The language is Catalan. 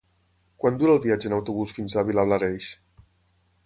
Quant dura el viatge en autobús fins a Vilablareix?